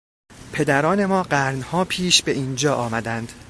پدران ما قرنها پیش به اینجا آمدند.